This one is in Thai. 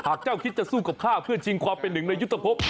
เจ้าคิดจะสู้กับข้าเพื่อชิงความเป็นหนึ่งในยุทธพบ